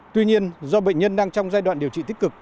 tuy nhiên do bệnh nhân đang trong giai đoạn điều trị tích cực